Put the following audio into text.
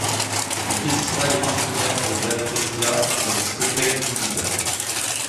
Le festival est partenaire de l'Amnesia, la discothèque d'Ibiza.